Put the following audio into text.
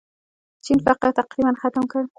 چین فقر تقریباً ختم کړ.